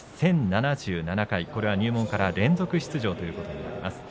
１０７７回、これは入門から連続出場ということになります。